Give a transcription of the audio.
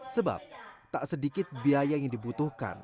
sebab tak sedikit biaya yang dibutuhkan